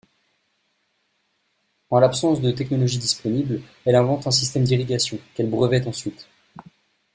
En l'absence de technologies disponibles, elle invente un système d'irrigation, qu'elle brevète ensuite.